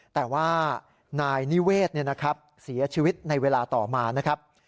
แต่ว่านายนิเวศเสียชีวิตในเวลาต่อมานะครับ